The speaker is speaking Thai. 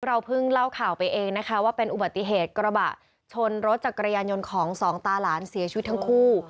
เราเพิ่งเล่าข่าวไปเองนะคะว่าเป็นอุบัติเหตุกระบะชนรถจักรยานยนต์ของสองตาหลานเสียชีวิตทั้งคู่